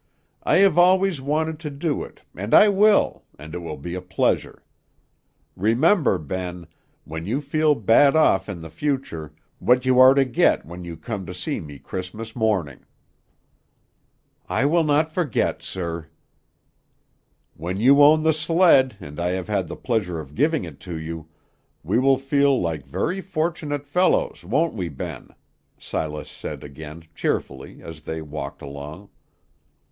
"I have always wanted to do it, and I will, and it will be a pleasure. Remember, Ben, when you feel bad off in future, what you are to get when you come to see me Christmas morning." "I will not forget, sir." "When you own the sled, and I have had the pleasure of giving it to you, we will feel like very fortunate fellows, won't we, Ben?" Silas said again, cheerfully, as they walked along.